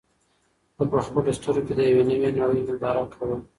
ده په خپلو سترګو کې د یوې نوې نړۍ ننداره کوله.